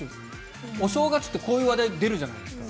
お正月って、こういう話題出るじゃないですか。